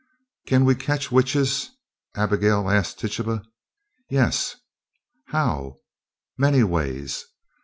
"Can we catch witches?" Abigail asked Tituba. "Yes." "How?" "Many ways."